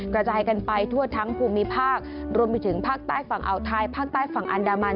กระจายกันไปทั่วทั้งภูมิภาครวมไปถึงภาคใต้ฝั่งอ่าวไทยภาคใต้ฝั่งอันดามัน